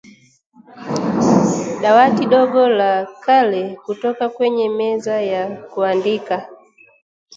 dawati dogo la kale kutoka kwenye meza ya kuandikia